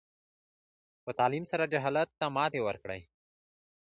په تعلیم سره جهالت ته ماتې ورکړئ.